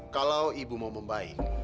kalau ibu mau membaik